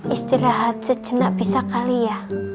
istirahat sejenak bisa kali ya